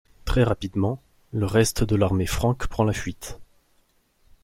Très rapidement, le reste de l'armée franque prend la fuite.